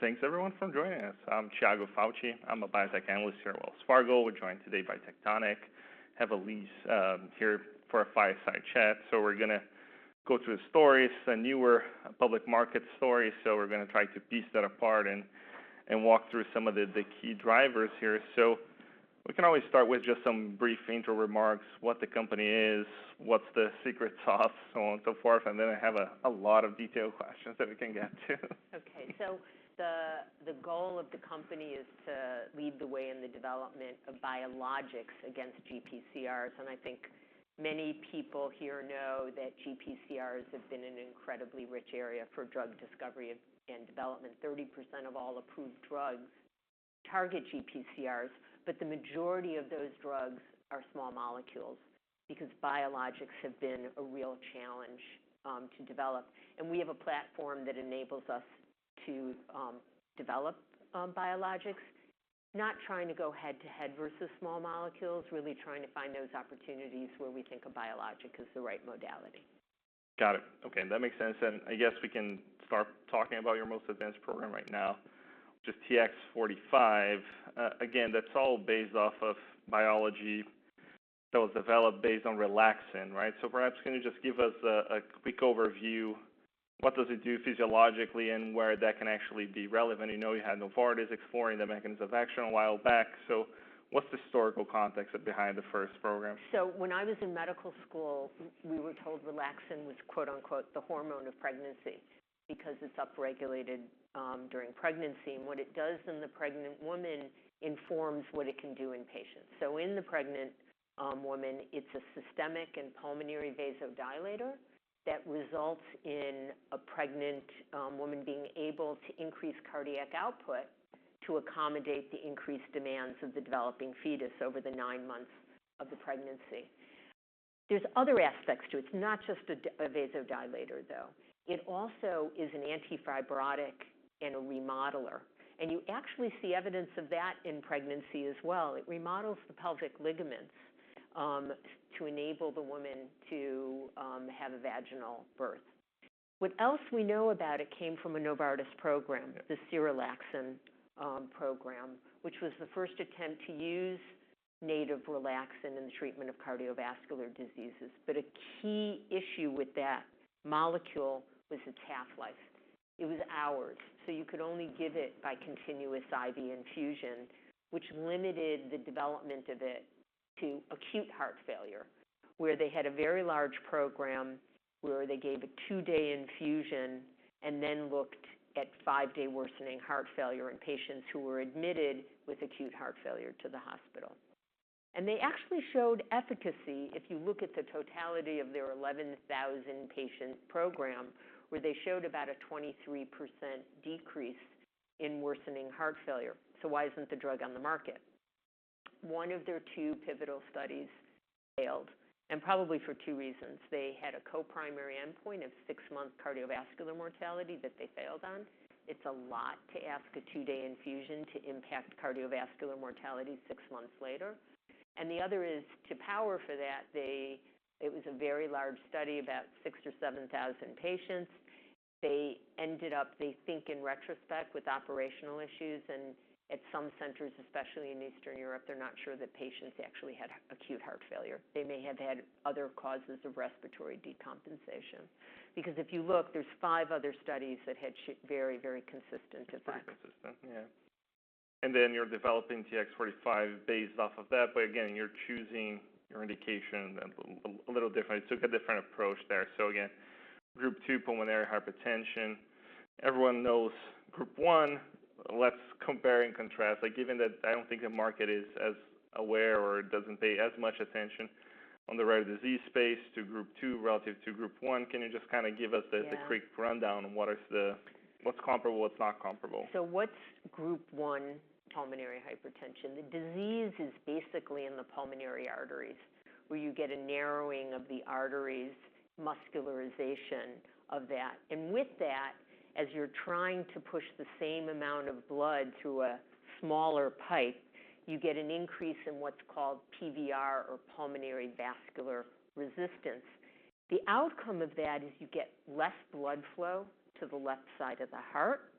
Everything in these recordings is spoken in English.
Thanks everyone for joining us. I'm Tiago Fauth. I'm a biotech analyst here at Wells Fargo. We're joined today by Tectonic. Have Elise here for a fireside chat. So we're gonna go through the stories, the newer public market stories. We're gonna try to piece that apart and walk through some of the key drivers here. We can always start with just some brief intro remarks, what the company is, what's the secret sauce, so on and so forth, and then I have a lot of detailed questions that we can get to. Okay. So the goal of the company is to lead the way in the development of biologics against GPCRs, and I think many people here know that GPCRs have been an incredibly rich area for drug discovery and development. 30% of all approved drugs target GPCRs, but the majority of those drugs are small molecules because biologics have been a real challenge to develop. And we have a platform that enables us to develop biologics. Not trying to go head-to-head versus small molecules, really trying to find those opportunities where we think a biologic is the right modality. Got it. Okay, that makes sense, and I guess we can start talking about your most advanced program right now, which is TX-45. Again, that's all based off of biology that was developed based on relaxin, right? So perhaps can you just give us a quick overview, what does it do physiologically and where that can actually be relevant? I know you had Novartis exploring the mechanism of action a while back. So what's the historical context behind the first program? So when I was in medical school, we were told relaxin was, quote-unquote, "The hormone of pregnancy," because it's upregulated during pregnancy. And what it does in the pregnant woman, it's a systemic and pulmonary vasodilator that results in a pregnant woman being able to increase cardiac output to accommodate the increased demands of the developing fetus over the nine months of the pregnancy. There's other aspects to it. It's not just a vasodilator, though. It also is an antifibrotic and a remodeler, and you actually see evidence of that in pregnancy as well. It remodels the pelvic ligaments to enable the woman to have a vaginal birth. What else we know about it came from a Novartis program- Yeah The serelaxin program, which was the first attempt to use native relaxin in the treatment of cardiovascular diseases. But a key issue with that molecule was the half-life. It was hours, so you could only give it by continuous IV infusion, which limited the development of it to acute heart failure, where they had a very large program, where they gave a two-day infusion and then looked at five-day worsening heart failure in patients who were admitted with acute heart failure to the hospital. And they actually showed efficacy, if you look at the totality of their 11,000 patient program, where they showed about a 23% decrease in worsening heart failure. So why isn't the drug on the market? One of their two pivotal studies failed, and probably for two reasons. They had a co-primary endpoint of six-month cardiovascular mortality that they failed on. It's a lot to ask a two-day infusion to impact cardiovascular mortality six months later. And the other is, to power for that, they, it was a very large study, about 6,000–7,000 patients. They ended up, they think, in retrospect, with operational issues, and at some centers, especially in Eastern Europe, they're not sure that patients actually had acute heart failure. They may have had other causes of respiratory decompensation. Because if you look, there's five other studies that had very, very consistent effects. Very consistent, yeah. And then you're developing TX-45 based off of that, but again, you're choosing your indication a little different. You took a different approach there. So again, Group 2, pulmonary hypertension. Everyone knows Group 1. Let's compare and contrast, like, given that I don't think the market is as aware or doesn't pay as much attention on the rare disease space to Group 2 relative to Group 1, can you just kinda give us the- Yeah the quick rundown on what's comparable, what's not comparable? So what's Group 1 pulmonary hypertension? The disease is basically in the pulmonary arteries, where you get a narrowing of the arteries, muscularization of that. And with that, as you're trying to push the same amount of blood through a smaller pipe, you get an increase in what's called PVR or pulmonary vascular resistance. The outcome of that is you get less blood flow to the left side of the heart,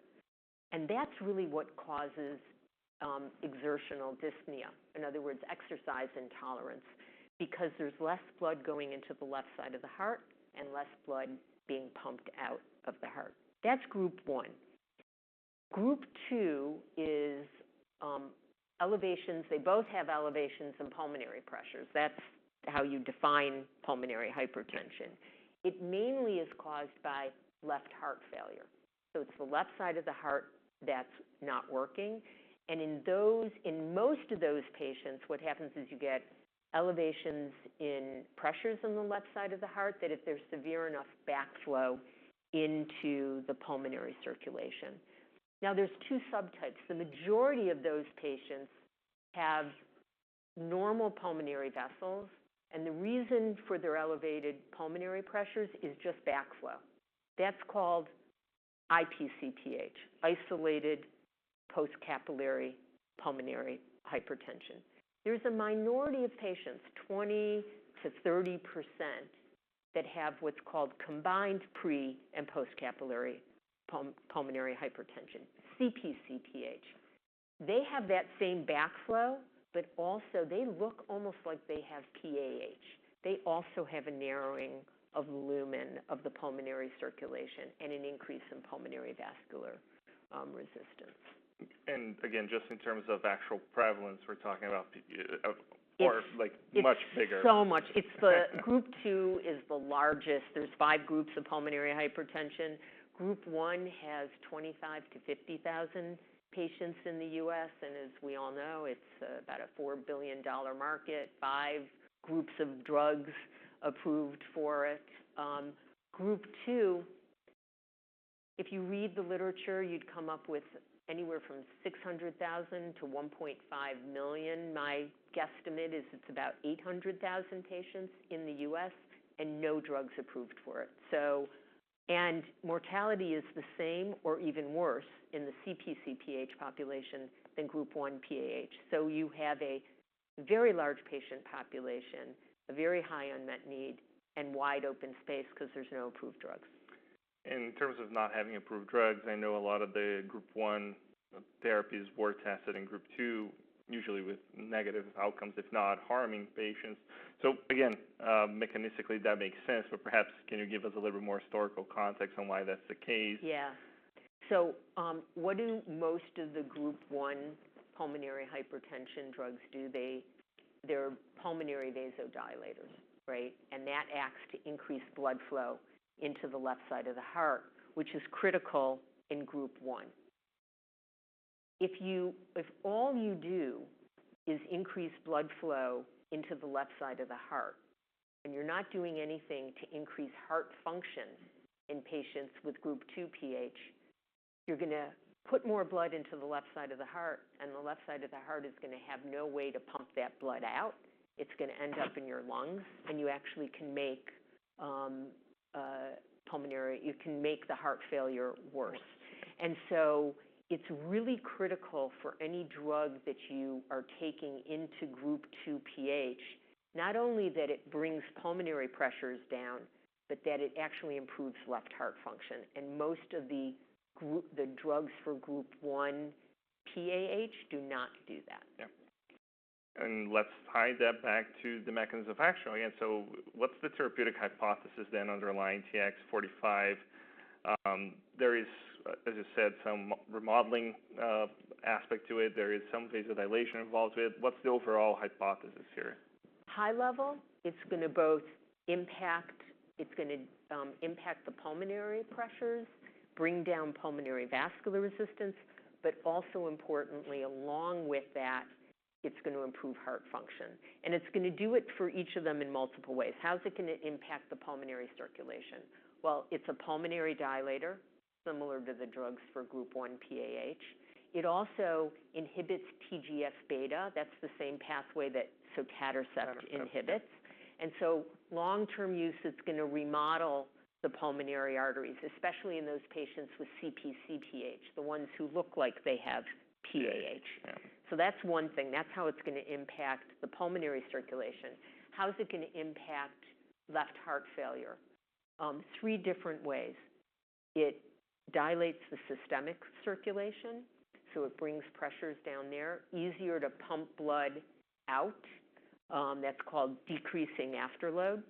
and that's really what causes, exertional dyspnea, in other words, exercise intolerance, because there's less blood going into the left side of the heart and less blood being pumped out of the heart. That's Group 1. Group 2 is, elevations. They both have elevations in pulmonary pressures. That's how you define pulmonary hypertension. It mainly is caused by left heart failure. So it's the left side of the heart that's not working, and in those, in most of those patients, what happens is you get elevations in pressures on the left side of the heart that, if there's severe enough backflow into the pulmonary circulation. Now, there's two subtypes. The majority of those patients have normal pulmonary vessels, and the reason for their elevated pulmonary pressures is just backflow. That's called IpcPH, isolated post-capillary pulmonary hypertension. There's a minority of patients, 20%–30%, that have what's called combined pre- and post-capillary pulmonary hypertension, CpcPH. They have that same backflow, but also they look almost like they have PAH. They also have a narrowing of the lumen of the pulmonary circulation and an increase in pulmonary vascular resistance. And again, just in terms of actual prevalence, we're talking about, of- It's- Or like much bigger. So much. It's the Group 2 is the largest. There's five groups of pulmonary hypertension. Group 1 has 25-50 thousand patients in the U.S., and as we all know, it's about a $4 billion market, five groups of drugs approved for it. Group 2, if you read the literature, you'd come up with anywhere from 600,000 to 1.5 million. My guesstimate is it's about 800,000 patients in the U.S., and no drugs approved for it. And mortality is the same or even worse in the CpcPH population than Group 1 PAH. So you have a very large patient population, a very high unmet need, and wide open space 'cause there's no approved drugs. In terms of not having approved drugs, I know a lot of the Group 1 therapies were tested in Group 2, usually with negative outcomes, if not harming patients. So again, mechanistically, that makes sense, but perhaps can you give us a little more historical context on why that's the case? Yeah. So, what do most of the Group 1 pulmonary hypertension drugs do? They're pulmonary vasodilators, right? And that acts to increase blood flow into the left side of the heart, which is critical in Group 1. If you--if all you do is increase blood flow into the left side of the heart, and you're not doing anything to increase heart function in patients with Group 2 PH, you're gonna put more blood into the left side of the heart, and the left side of the heart is gonna have no way to pump that blood out. It's gonna end up in your lungs, and you actually can make pulmonary. You can make the heart failure worse. It's really critical for any drug that you are taking into Group 2 PH, not only that it brings pulmonary pressures down, but that it actually improves left heart function. Most of the drugs for Group 1 PAH do not do that. Yeah. And let's tie that back to the mechanism of action again. So what's the therapeutic hypothesis then underlying TX-45? There is, as you said, some remodeling aspect to it. There is some vasodilation involved with it. What's the overall hypothesis here? High level, it's gonna both impact, it's gonna impact the pulmonary pressures, bring down pulmonary vascular resistance, but also importantly, along with that, it's gonna improve heart function. And it's gonna do it for each of them in multiple ways. How is it gonna impact the pulmonary circulation? Well, it's a pulmonary dilator, similar to the drugs for Group 1 PAH. It also inhibits TGF-beta. That's the same pathway that sotatercept inhibits. Sotatercept. Long-term use is gonna remodel the pulmonary arteries, especially in those patients with CpcPH, the ones who look like they have PAH. Yeah. Yeah. So that's one thing. That's how it's gonna impact the pulmonary circulation. How is it gonna impact left heart failure? Three different ways. It dilates the systemic circulation, so it brings pressures down there. Easier to pump blood out, that's called decreasing afterload.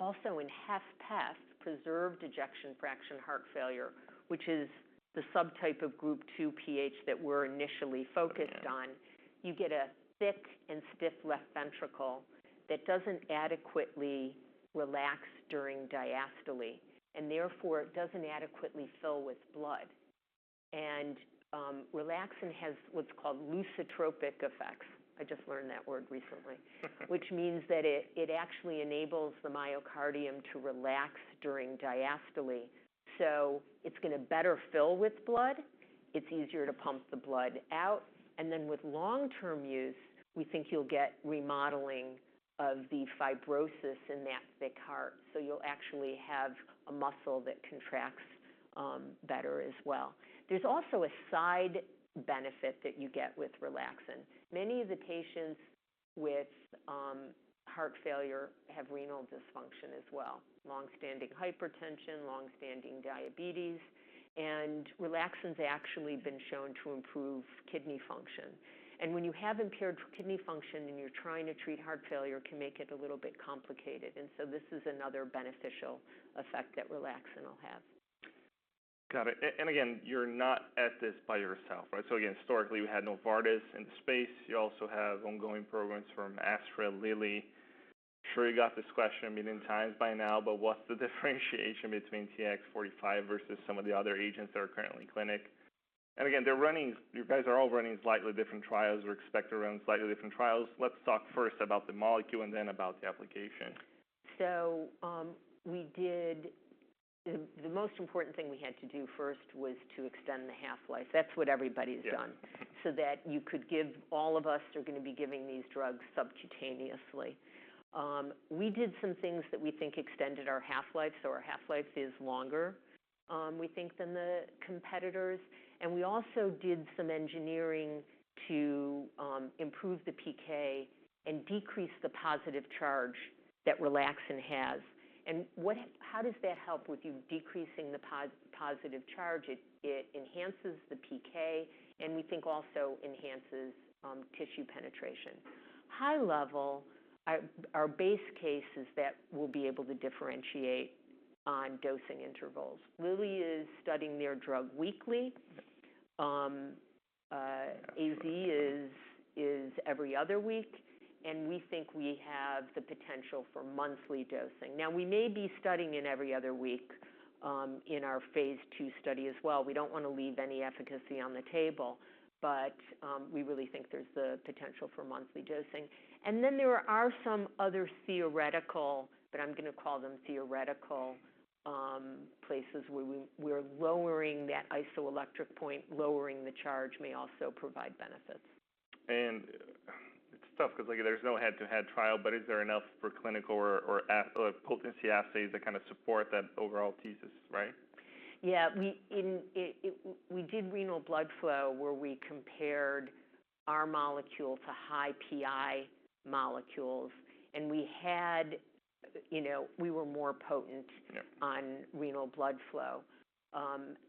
Also, in HFpEF, preserved ejection fraction heart failure, which is the subtype of Group 2 PH that we're initially focused on- Yeah you get a thick and stiff left ventricle that doesn't adequately relax during diastole, and therefore, it doesn't adequately fill with blood. And, relaxin has what's called lusitropic effects. I just learned that word recently. Which means that it actually enables the myocardium to relax during diastole. So it's gonna better fill with blood, it's easier to pump the blood out, and then with long-term use, we think you'll get remodeling of the fibrosis in that thick heart. So you'll actually have a muscle that contracts better as well. There's also a side benefit that you get with relaxin. Many of the patients with heart failure have renal dysfunction as well, long-standing hypertension, long-standing diabetes, and relaxin's actually been shown to improve kidney function. When you have impaired kidney function and you're trying to treat heart failure, it can make it a little bit complicated. This is another beneficial effect that relaxin will have. Got it. And again, you're not at this by yourself, right? So again, historically, we had Novartis in the space. You also have ongoing programs from Astra, Lilly. I'm sure you got this question a million times by now, but what's the differentiation between TX-45 versus some of the other agents that are currently in clinic? And again, they're running. You guys are all running slightly different trials or expect to run slightly different trials. Let's talk first about the molecule and then about the application. We did. The most important thing we had to do first was to extend the half-life. That's what everybody's done, so that you could give all of us who are going to be giving these drugs subcutaneously. We did some things that we think extended our half-life, so our half-life is longer, we think, than the competitors. And we also did some engineering to improve the PK and decrease the positive charge that relaxin has. And how does that help with decreasing the positive charge? It enhances the PK and we think also enhances tissue penetration. High level, our base case is that we'll be able to differentiate on dosing intervals. Lilly is studying their drug weekly. AZ is every other week, and we think we have the potential for monthly dosing. Now, we may be studying it every other week in our phase two study as well. We don't want to leave any efficacy on the table, but we really think there's the potential for monthly dosing. And then there are some other theoretical, but I'm going to call them theoretical places where we're lowering that isoelectric point, lowering the charge may also provide benefits. It's tough because, like, there's no head-to-head trial, but is there enough for clinical or potency assays that kind of support that overall thesis, right? Yeah, we did renal blood flow, where we compared our molecule to high pI molecules, and we had, you know, we were more potent- Yep. -on renal blood flow.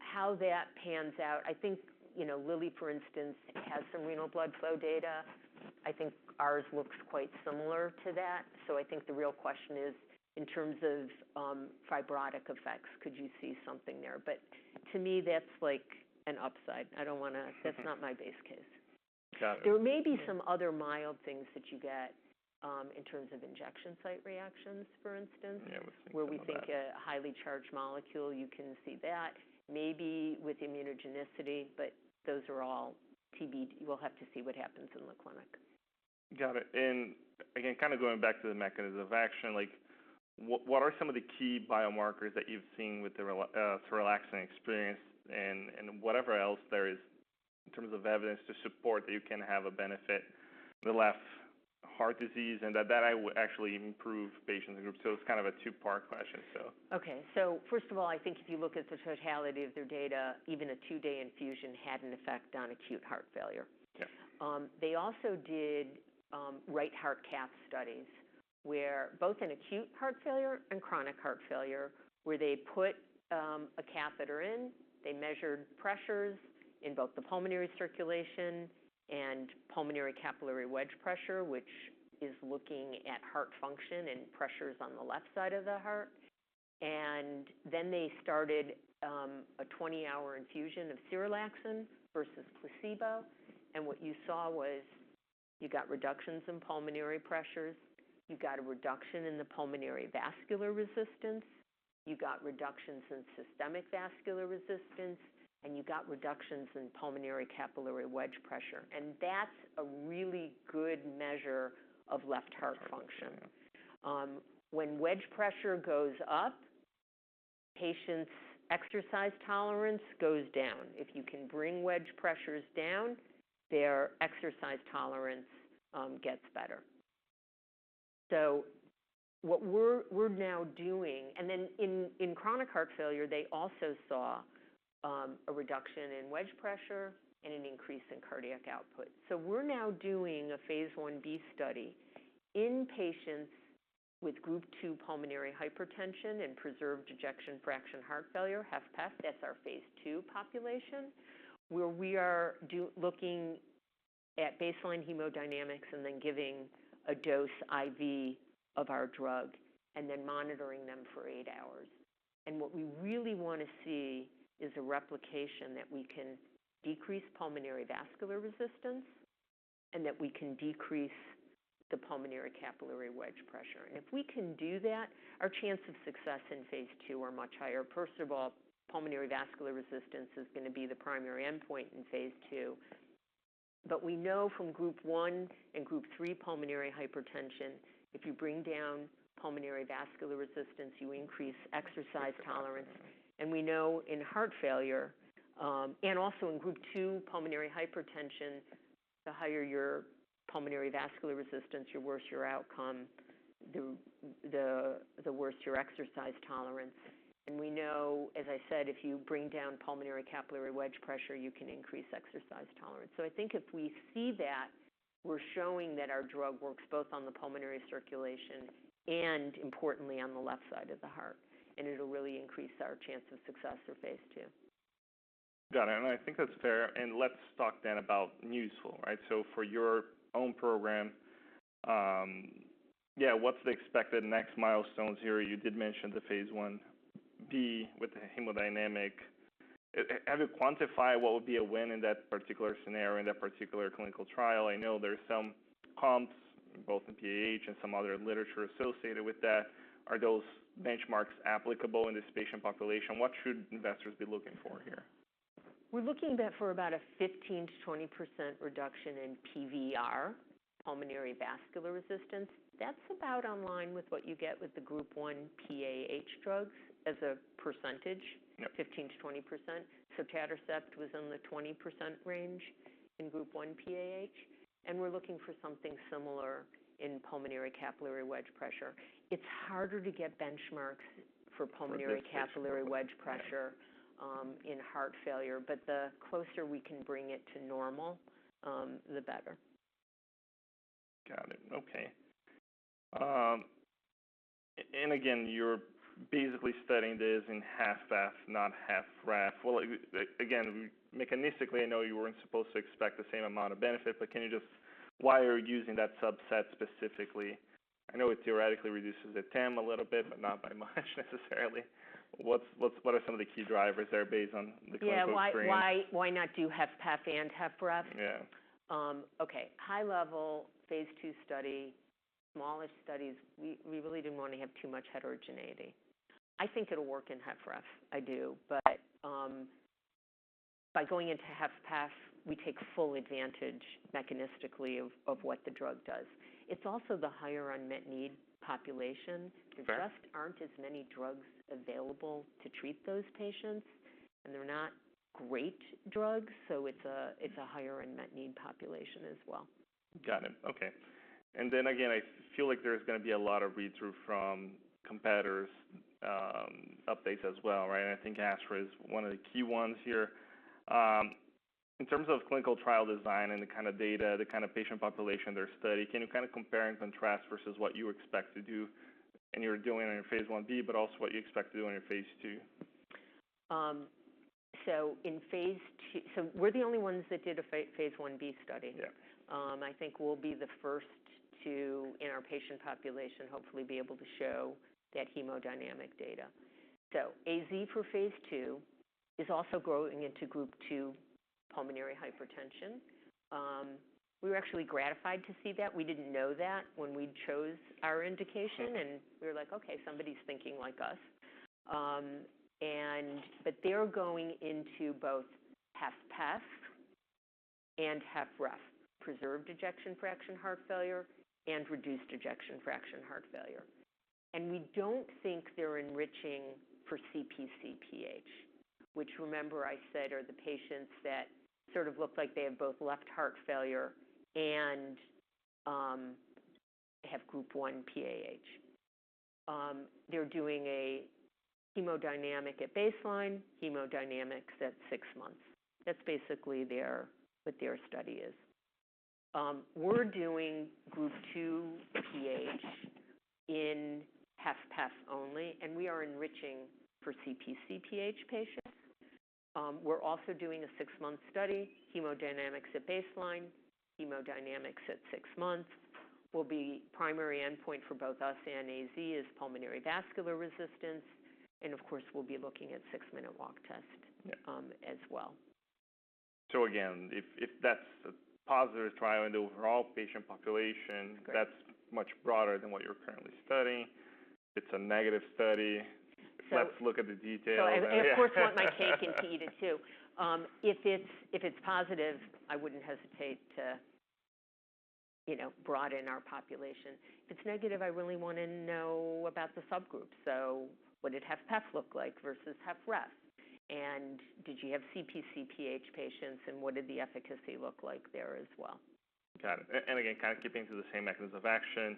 How that pans out, I think, you know, Lilly, for instance, has some renal blood flow data. I think ours looks quite similar to that. So I think the real question is, in terms of, fibrotic effects, could you see something there? But to me, that's like an upside. I don't want to. That's not my base case. Got it. There may be some other mild things that you get, in terms of injection site reactions, for instance. Yeah, we've seen some of that. Where we think a highly charged molecule, you can see that maybe with immunogenicity, but those are all TBD. We'll have to see what happens in the clinic. Got it. And again, kind of going back to the mechanism of action, like, what are some of the key biomarkers that you've seen with the serelaxin experience and whatever else there is in terms of evidence to support that you can have a benefit, the left heart disease, and that I would actually improve patient group. So it's kind of a two-part question, so. Okay. So first of all, I think if you look at the totality of their data, even a two-day infusion had an effect on acute heart failure. Yeah. They also did right heart cath studies, where both in acute heart failure and chronic heart failure, where they put a catheter in, they measured pressures in both the pulmonary circulation and pulmonary capillary wedge pressure, which is looking at heart function and pressures on the left side of the heart, and then they started a 20-hour infusion of Serelaxin versus placebo, and what you saw was you got reductions in pulmonary pressures, you got a reduction in the pulmonary vascular resistance, you got reductions in systemic vascular resistance, and you got reductions in pulmonary capillary wedge pressure, and that's a really good measure of left heart function. Okay. When wedge pressure goes up, patients' exercise tolerance goes down. If you can bring wedge pressures down, their exercise tolerance gets better. So what we're now doing and then in chronic heart failure, they also saw a reduction in wedge pressure and an increase in cardiac output. So we're now doing a Phase 1b study in patients with Group 2 pulmonary hypertension and preserved ejection fraction heart failure, HFpEF, that's our Phase 2 population, where we are looking at baseline hemodynamics and then giving a dose IV of our drug and then monitoring them for eight hours, and what we really want to see is a replication that we can decrease pulmonary vascular resistance and that we can decrease the pulmonary capillary wedge pressure. If we can do that, our chance of success in Phase 2 are much higher. First of all, pulmonary vascular resistance is going to be the primary endpoint in Phase 2. But we know from Group One and Group Three pulmonary hypertension, if you bring down pulmonary vascular resistance, you increase exercise tolerance. And we know in heart failure, and also in Group 2 pulmonary hypertension, the higher your pulmonary vascular resistance, the worse your outcome, the worse your exercise tolerance. And we know, as I said, if you bring down pulmonary capillary wedge pressure, you can increase exercise tolerance. So I think if we see that, we're showing that our drug works both on the pulmonary circulation and importantly, on the left side of the heart, and it'll really increase our chance of success for Phase 2. Got it, and I think that's fair. And let's talk then about newsflow, right? So for your own program, yeah, what's the expected next milestones here? You did mention the Phase 1b with the hemodynamic. How do you quantify what would be a win in that particular scenario, in that particular clinical trial? I know there's some comps, both in PAH and some other literature associated with that. Are those benchmarks applicable in this patient population? What should investors be looking for here? We're looking at for about a 15%-20% reduction in PVR, pulmonary vascular resistance. That's about in line with what you get with the Group 1 PAH drugs as a percentage- Yep. - 15%-20%. So tadalafil was in the 20% range in Group 1 PAH, and we're looking for something similar in pulmonary capillary wedge pressure. It's harder to get benchmarks for pulmonary- For this- Capillary wedge pressure, in heart failure, but the closer we can bring it to normal, the better. Got it. Okay. And again, you're basically studying this in HFpEF, not HFrEF. Well, again, mechanistically, I know you weren't supposed to expect the same amount of benefit, but can you just, why are you using that subset specifically? I know it theoretically reduces the TAM a little bit, but not by much necessarily. What are some of the key drivers there, based on the clinical frame? Yeah. Why not do HFpEF and HFrEF? Yeah. Okay. High level, Phase 2 study, smallish studies, we really didn't want to have too much heterogeneity. I think it'll work in HFrEF. I do. But, by going into HFpEF, we take full advantage mechanistically of what the drug does. It's also the higher unmet need population. Okay. There just aren't as many drugs available to treat those patients, and they're not great drugs, so it's a higher unmet need population as well. Got it. Okay. And then again, I feel like there's gonna be a lot of read-through from competitors' updates as well, right? I think Astra is one of the key ones here. In terms of clinical trial design and the kind of data, the kind of patient population they're studying, can you kind of compare and contrast versus what you expect to do and you're doing in your Phase 1b, but also what you expect to do in your Phase 2? In phase two, we're the only ones that did a Phase 1b study. Yeah. I think we'll be the first to, in our patient population, hopefully be able to show that hemodynamic data. So AZ for phase two is also growing into Group 2 pulmonary hypertension. We were actually gratified to see that. We didn't know that when we chose our indication- Okay. and we were like, "Okay, somebody's thinking like us." And but they're going into both HFpEF and HFrEF, preserved ejection fraction heart failure and reduced ejection fraction heart failure. And we don't think they're enriching for CpcPH, which remember I said, are the patients that sort of look like they have both left heart failure and, have group 1 PAH. They're doing a hemodynamic at baseline, hemodynamics at six months. That's basically their, what their study is. We're doing Group 2 PH in HFpEF only, and we are enriching for CpcPH patients. We're also doing a six-month study, hemodynamics at baseline, hemodynamics at six months. Will be primary endpoint for both us and AZ is pulmonary vascular resistance, and of course, we'll be looking at six-minute walk test. Yeah As well. So again, if that's a positive trial in the overall patient population- Okay. That's much broader than what you're currently studying. It's a negative study. So- Let's look at the detail. I, of course, want my cake and to eat it, too. If it's positive, I wouldn't hesitate to, you know, broaden our population. If it's negative, I really want to know about the subgroups. So what did HFpEF look like versus HFrEF? And did you have CpcPH patients, and what did the efficacy look like there as well? Got it. And again, kind of keeping to the same mechanism of action.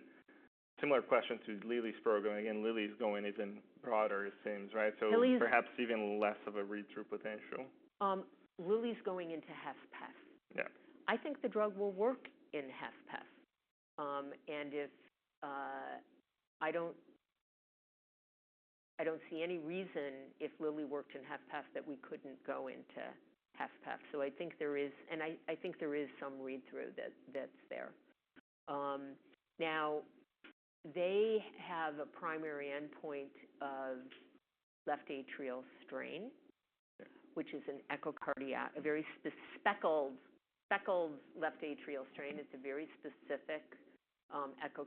Similar question to Lilly's program. Again, Lilly's going even broader, it seems, right? Lilly's- So perhaps even less of a read-through potential. Lilly's going into HFpEF. Yeah. I think the drug will work in HFpEF. And I don't see any reason if Lilly worked in HFpEF that we couldn't go into HFpEF. So I think there is some read-through that's there. Now, they have a primary endpoint of left atrial strain. Yeah Which is an echocardiography, a very speckled left atrial strain. It's a very specific, echo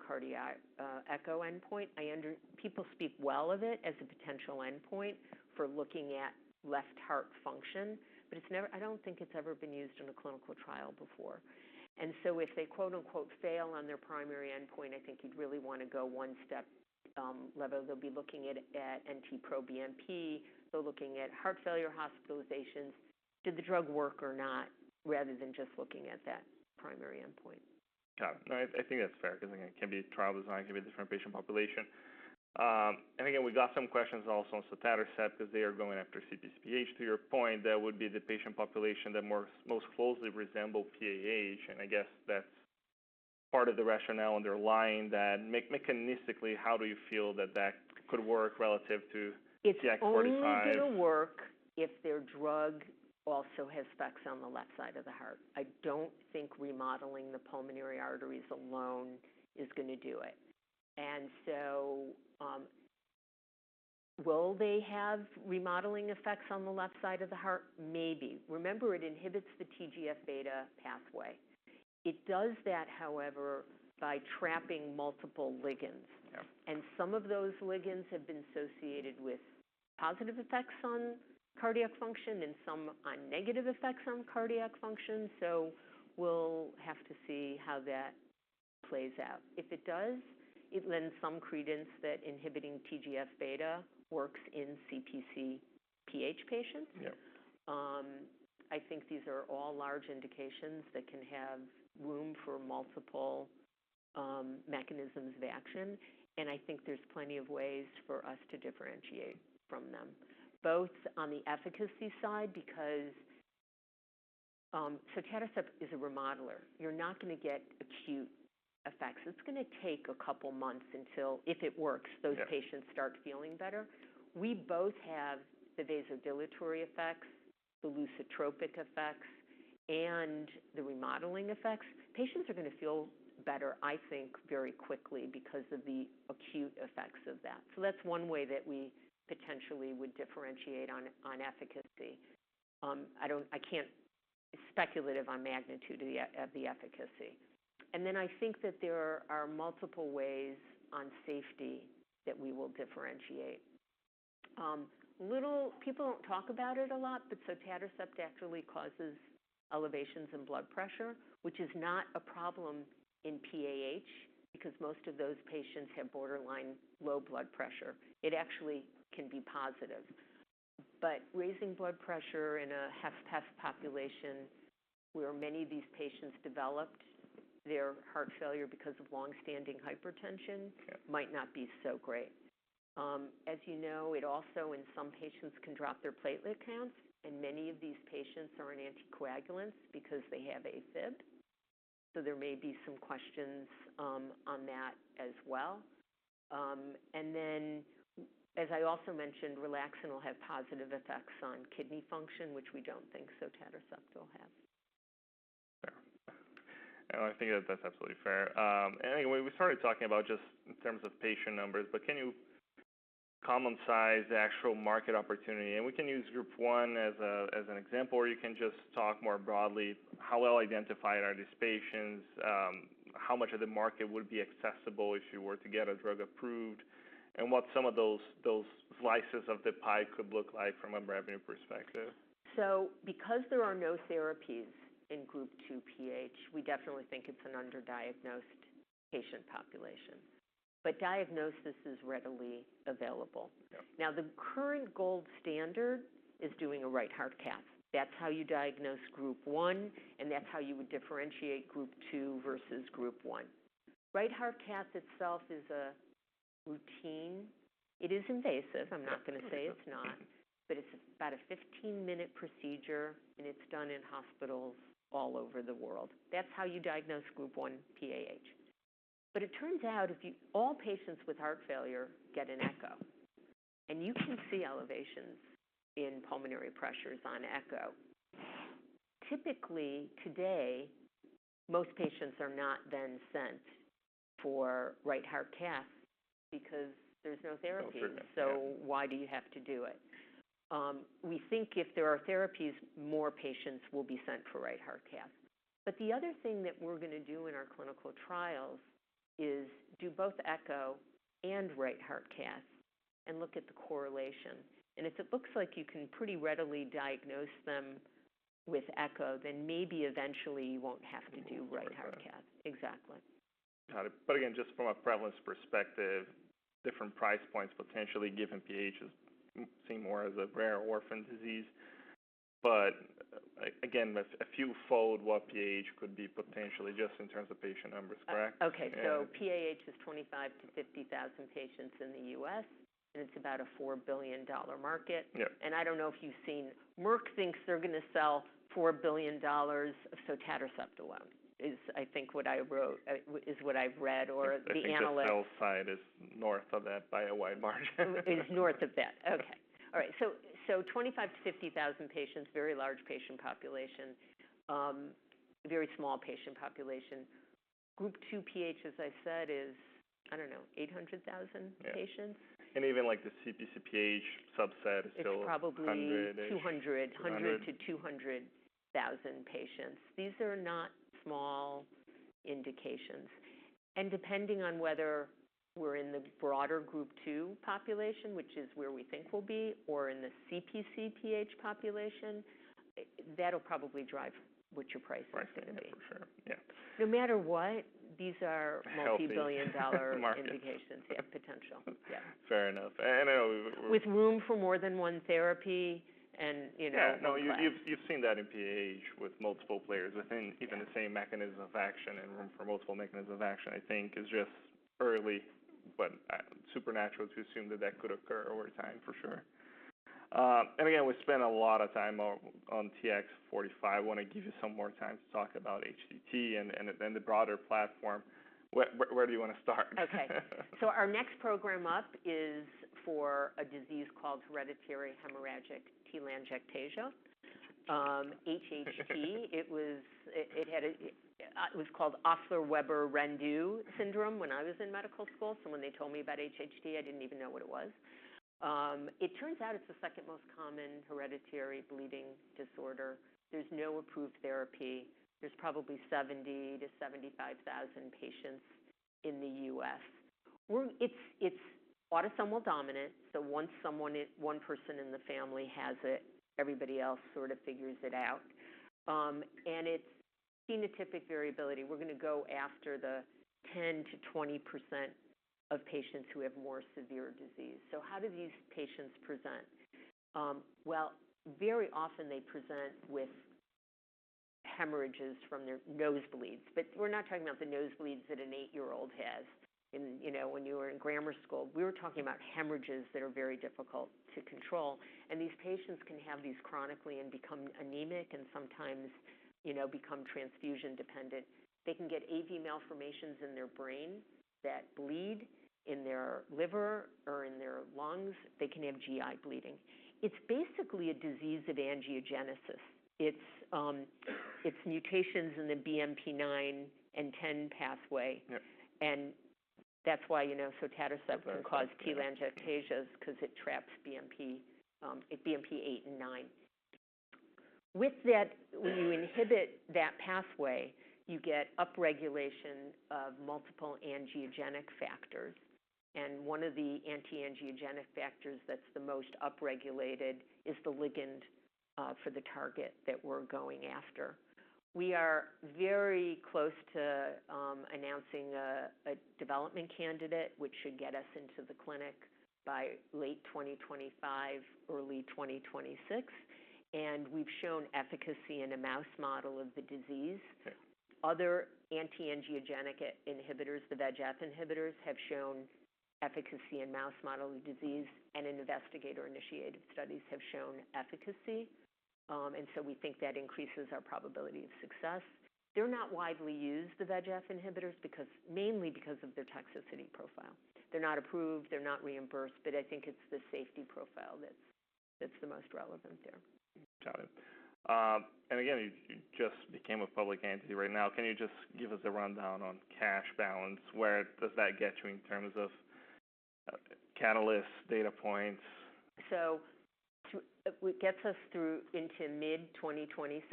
endpoint. I understand people speak well of it as a potential endpoint for looking at left heart function, but it's never, I don't think it's ever been used in a clinical trial before. And so if they quote-unquote, "fail" on their primary endpoint, I think you'd really want to go one step level. They'll be looking at NT-proBNP. They're looking at heart failure hospitalizations. Did the drug work or not? Rather than just looking at that primary endpoint. Got it. No, I think that's fair, because again, it can be a trial design, it can be a different patient population. And again, we got some questions also on sotatercept because they are going after CpcPH. To your point, that would be the patient population that most closely resembles PAH, and I guess that's part of the rationale underlying that. Mechanistically, how do you feel that that could work relative to TX-45? It's only gonna work if their drug also has specs on the left side of the heart. I don't think remodeling the pulmonary arteries alone is gonna do it. And so, will they have remodeling effects on the left side of the heart? Maybe. Remember, it inhibits the TGF-beta pathway. It does that, however, by trapping multiple ligands. Yeah. Some of those ligands have been associated with positive effects on cardiac function and some on negative effects on cardiac function. We'll have to see how that plays out. If it does, it lends some credence that inhibiting TGF-beta works in CpcPH patients. Yeah. I think these are all large indications that can have room for multiple mechanisms of action, and I think there's plenty of ways for us to differentiate from them, both on the efficacy side because sotatercept is a remodeler. You're not gonna get acute effects. It's gonna take a couple months until, if it works- Yeah those patients start feeling better. We both have the vasodilatory effects, the lusitropic effects, and the remodeling effects. Patients are gonna feel better, I think, very quickly because of the acute effects of that. So that's one way that we potentially would differentiate on efficacy. I can't speculate on magnitude of the efficacy. And then I think that there are multiple ways on safety that we will differentiate. People don't talk about it a lot, but sotatercept actually causes elevations in blood pressure, which is not a problem in PAH because most of those patients have borderline low blood pressure. It actually can be positive. But raising blood pressure in a HFpEF population, where many of these patients developed their heart failure because of long-standing hypertension- Sure might not be so great. As you know, it also, in some patients, can drop their platelet counts, and many of these patients are on anticoagulants because they have AFib. So there may be some questions on that as well. And then as I also mentioned, relaxin will have positive effects on kidney function, which we don't think sotatercept will have. Fair. I think that that's absolutely fair. Anyway, we started talking about just in terms of patient numbers, but can you common size the actual market opportunity? And we can use Group 1 as a, as an example, or you can just talk more broadly, how well identified are these patients? How much of the market would be accessible if you were to get a drug approved? And what some of those, those slices of the pie could look like from a revenue perspective. Because there are no therapies in Group 2 PH, we definitely think it's an underdiagnosed patient population, but diagnosis is readily available. Yeah. Now, the current gold standard is doing a right heart cath. That's how you diagnose Group 1, and that's how you would differentiate Group 2 versus Group 1. Right heart cath itself is a routine. It is invasive. I'm not gonna say it's not, but it's about a fifteen-minute procedure, and it's done in hospitals all over the world. That's how you diagnose Group 1 PAH. But it turns out, if all patients with heart failure get an echo, and you can see elevations in pulmonary pressures on echo. Typically, today, most patients are not then sent for right heart cath because there's no therapy. Oh, fair enough. Yeah. So why do you have to do it? We think if there are therapies, more patients will be sent for right heart cath. But the other thing that we're gonna do in our clinical trials is do both echo and right heart cath and look at the correlation. And if it looks like you can pretty readily diagnose them with echo, then maybe eventually you won't have to do right heart cath. Okay. Exactly. Got it. But again, just from a prevalence perspective, different price points, potentially given PH is seen more as a rare orphan disease. But again, if you followed what PH could be potentially just in terms of patient numbers, correct? Okay. Yeah. PAH is 25-50 thousand patients in the U.S., and it's about a $4 billion market. Yeah. I don't know if you've seen. Merck thinks they're gonna sell $4 billion of sotatercept alone, is I think what I wrote is what I've read, or the analyst- I think the sell side is north of that by a wide margin. Is north of that. Okay. All right, so, so 25,000–50,000 patients, very large patient population, very small patient population. Group 2 PH, as I said, is, I don't know, eight hundred thousand patients? Yeah, and even, like, the CpcPH subset is still- It's probably- hundred ish - 200. Hundred. 100-200 thousand patients. These are not small indications. Depending on whether we're in the broader Group 2 population, which is where we think we'll be, or in the CpcPH population, that'll probably drive what your price is gonna be. Price, for sure. Yeah. No matter what, these are- Healthy multi-billion dollar Market indications. They have potential. Yeah. Fair enough. I know- With room for more than one therapy and, you know, Yeah, no, you've seen that in PAH with multiple players. I think- Yeah even the same mechanism of action and room for multiple mechanism of action, I think, is just early, but not unnatural to assume that that could occur over time, for sure. And again, we've spent a lot of time on TX-45. I wanna give you some more time to talk about HHT and the broader platform. Where do you wanna start? Okay. Our next program up is for a disease called hereditary hemorrhagic telangiectasia, HHT. It was called Osler-Weber-Rendu syndrome when I was in medical school. When they told me about HHT, I didn't even know what it was. It turns out it's the second most common hereditary bleeding disorder. There's no approved therapy. There's probably 70-75 thousand patients in the U.S. Well, it's autosomal dominant, so once one person in the family has it, everybody else sort of figures it out. And it's phenotypic variability. We're gonna go after the 10-20% of patients who have more severe disease. So how do these patients present? Well, very often they present with hemorrhages from their nosebleeds, but we're not talking about the nosebleeds that an eight-year-old has in, you know, when you were in grammar school. We were talking about hemorrhages that are very difficult to control, and these patients can have these chronically and become anemic and sometimes, you know, become transfusion dependent. They can get AV malformations in their brain that bleed in their liver or in their lungs. They can have GI bleeding. It's basically a disease of angiogenesis. It's, it's mutations in the BMP9 and BMP10 pathway. Yep. That's why, you know, sotatercept can cause telangiectasia because it traps BMP, BMP eight and nine. With that, when you inhibit that pathway, you get upregulation of multiple angiogenic factors, and one of the anti-angiogenic factors that's the most upregulated is the ligand for the target that we're going after. We are very close to announcing a development candidate, which should get us into the clinic by late 2025, early 2026, and we've shown efficacy in a mouse model of the disease. Okay. Other anti-angiogenic inhibitors, the VEGF inhibitors, have shown efficacy in mouse model disease and in investigator-initiated studies have shown efficacy. And so we think that increases our probability of success. They're not widely used, the VEGF inhibitors, because, mainly because of their toxicity profile. They're not approved, they're not reimbursed, but I think it's the safety profile that's the most relevant there. Got it. And again, you just became a public entity right now. Can you just give us a rundown on cash balance? Where does that get you in terms of catalyst data points? It gets us through into mid-2027.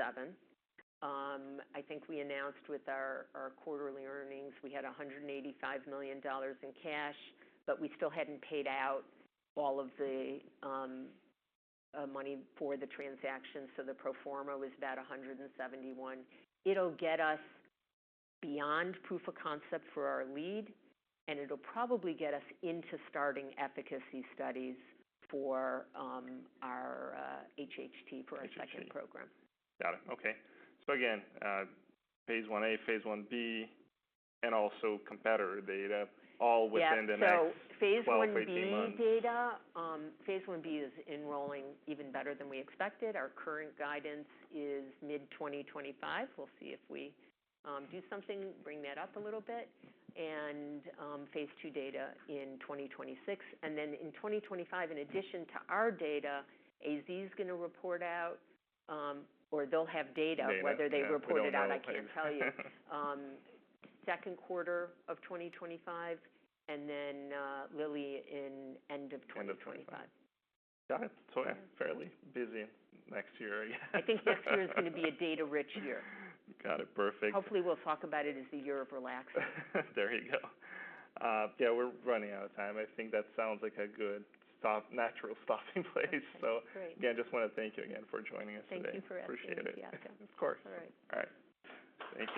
I think we announced with our quarterly earnings, we had $185 million in cash, but we still hadn't paid out all of the money for the transaction, so the pro forma was about $171 million. It'll get us beyond proof of concept for our lead, and it'll probably get us into starting efficacy studies for our HHT for our second program. Got it. Okay. So again, phase one A, Phase 1b, and also competitor data all within- Yeah the next 12-18 months. Phase 1b data. Phase 1b is enrolling even better than we expected. Our current guidance is mid-2025. We'll see if we do something to bring that up a little bit, and Phase 2 data in 2026. In 2025, in addition to our data, AZ is gonna report out, or they'll have data. Data. Whether they report it out, I can't tell you. Second quarter of 2025, and then, Lilly in end of 2025. End of twenty-five. Got it. So yeah, fairly busy next year again. I think next year is gonna be a data-rich year. Got it. Perfect. Hopefully, we'll talk about it as the year of relaxing. There you go. Yeah, we're running out of time. I think that sounds like a good stop, natural stopping place. Okay, great. So again, just wanna thank you again for joining us today. Thank you for asking me. Appreciate it. Of course. All right. All right. Thank you.